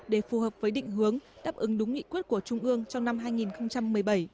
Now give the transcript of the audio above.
để phù hợp với định hướng đáp ứng đúng nghị quyết của trung ương trong năm hai nghìn một mươi bảy